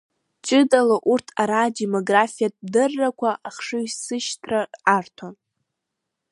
Ҷыдала урҭ ара адемографиатә дыррақәа ахшыҩзышьҭра арҭон.